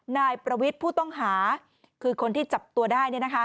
นายประวิทย์ผู้ต้องหาคือคนที่จับตัวได้